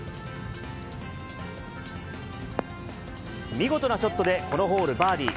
見事なショットで、このホール、バーディー。